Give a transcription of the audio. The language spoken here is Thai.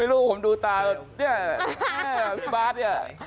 ไม่รู้ผมดูตาเนี่ยบาร์ทเนี่ย